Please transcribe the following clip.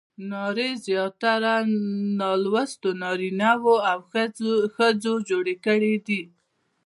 نارې زیاتره نالوستو نارینه وو او ښځو جوړې کړې دي.